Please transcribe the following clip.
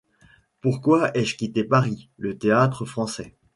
Pourquoi ai-je quitté Paris, le Théâtre-Français ?